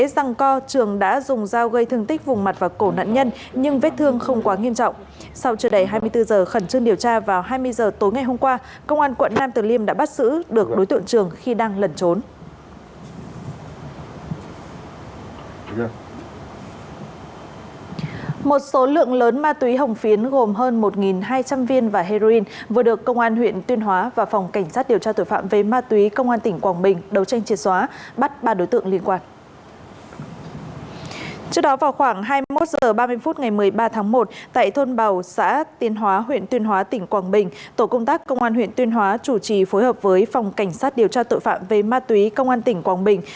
tổ công tác công an huyện tuyên hóa chủ trì phối hợp với phòng cảnh sát điều tra tội phạm về ma túy công an tỉnh quảng bình